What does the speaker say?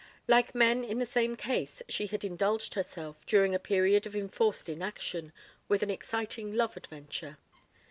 Like men in the same case, she had indulged herself, during a period of enforced inaction, with an exciting love adventure.